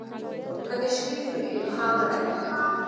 که تشریح وي نو ابهام نه پاتې کیږي.